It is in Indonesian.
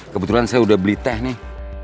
kebetulan saya udah beli teh nih